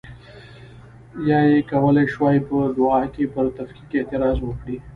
یا یې کولای شوای په دعا کې پر تفکیک اعتراض وکړي.